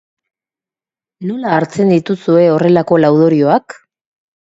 Nola hartzen dituzue horrelako laudorioak?